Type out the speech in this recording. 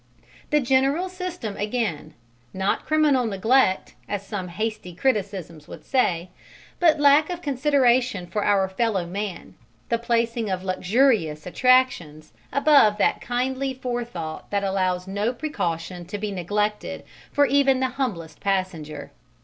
The general system again not criminal neglect, as some hasty criticisms would say, but lack of consideration for our fellow man, the placing of luxurious attractions above that kindly forethought that allows no precaution to be neglected for even the humblest passenger.